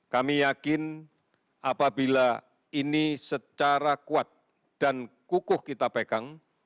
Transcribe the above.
kami yakin apabila ini secara kuat dan kukuh kita pegang